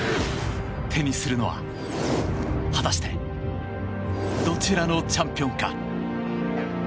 手にするのは果たしてどちらのチャンピオンか。